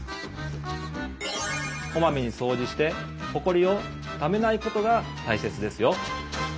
こまめにそうじしてほこりをためないことがたいせつですよ。